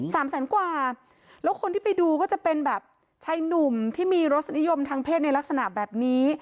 สามแสนกว่าแล้วคนที่ไปดูก็จะเป็นแบบชายหนุ่มที่มีรสนิยมทางเพศในลักษณะแบบนี้